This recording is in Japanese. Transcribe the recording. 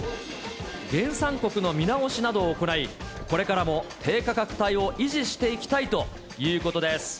原産国の見直しなどを行い、これからも低価格帯を維持していきたいということです。